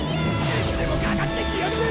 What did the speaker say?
いつでもかかってきやがれ！